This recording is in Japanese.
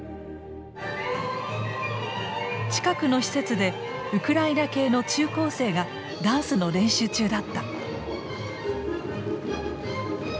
近くの施設でウクライナ系の中高生がダンスの練習中だった。